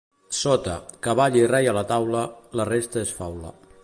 Sota, cavall i rei a la taula, la resta és faula.